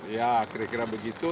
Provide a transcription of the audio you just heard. ya kira kira begitu